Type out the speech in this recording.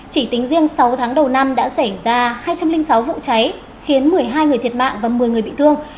chỉ tính riêng sáu tháng đầu năm đã xảy ra hai trăm linh sáu vụ cháy khiến một mươi hai người thiệt mạng và một mươi người bị thương